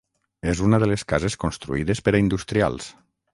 És una de les cases construïdes per a industrials.